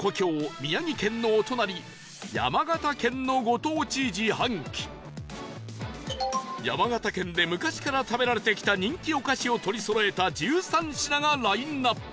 宮城県のお隣山形県のご当地自販機山形県で昔から食べられてきた人気お菓子を取りそろえた１３品がラインアップ